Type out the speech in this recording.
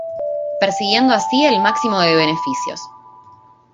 Persiguiendo así el máximo de beneficios.